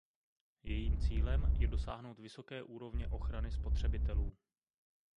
Jejím cílem je dosáhnout vysoké úrovně ochrany spotřebitelů.